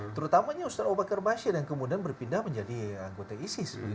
terutamanya ustadz abu bakar bashir yang kemudian berpindah menjadi anggota isis